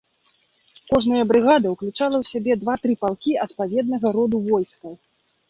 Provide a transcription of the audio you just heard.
Кожная брыгада ўключала ў сябе два-тры палкі адпаведнага роду войскаў.